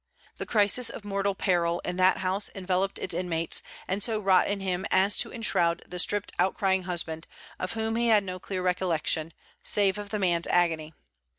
The crisis of mortal peril in that house enveloped its inmates, and so wrought in him as to enshroud the stripped outcrying husband, of whom he had no clear recollection, save of the man's agony.